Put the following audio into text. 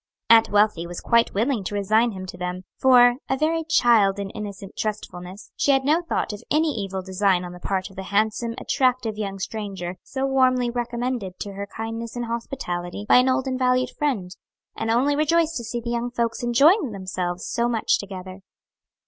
Aunt Wealthy was quite willing to resign him to them; for a very child in innocent trustfulness she had no thought of any evil design on the part of the handsome, attractive young stranger so warmly recommended to her kindness and hospitality by an old and valued friend, and only rejoiced to see the young folks enjoying themselves so much together.